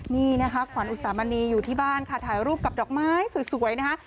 นี่นะคะขวัญอุสามณีอยู่ที่บ้านค่ะถ่ายรูปกับดอกไม้สวยนะคะ